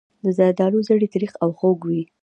د زردالو زړې تریخ او خوږ وي.